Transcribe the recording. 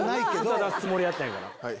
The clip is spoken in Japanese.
歌出すつもりやったんやから。